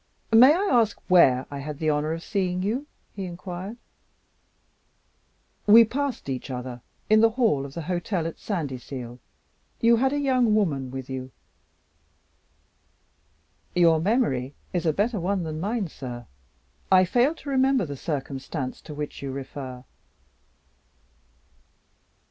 "May I ask where I had the honor of seeing you?" he inquired. "We passed each other in the hall of the hotel at Sandyseal. You had a young woman with you." "Your memory is a better one than mine, sir. I fail to remember the circumstance to which you refer."